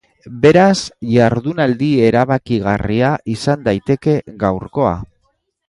Beraz, jardunaldi erabakigarria izan daiteke gaurkoa.